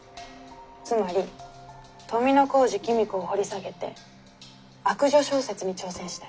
つまり富小路公子を掘り下げて悪女小説に挑戦したい。